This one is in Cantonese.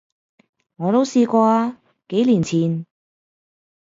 我都試過，幾年前